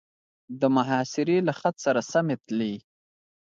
د محاصرې له خط سره سمې تلې.